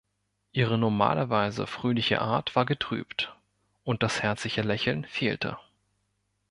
Ihre normalerweise fröhliche Art war getrübt, und das herzliche Lächeln fehlte.